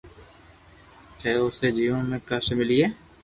نھ اوسي جيون ۾ ڪسٽ ملئي